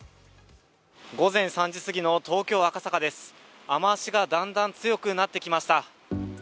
午前３時過ぎの東京・赤坂です、雨足がだんだん強くなってきました。